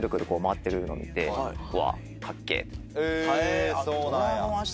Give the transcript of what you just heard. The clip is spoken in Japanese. へえそうなんや。